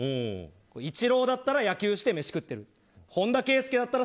イチローだったら野球して飯食ってる。